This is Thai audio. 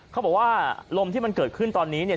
เขาบอกว่าลมที่มันเกิดขึ้นตอนนี้เนี่ย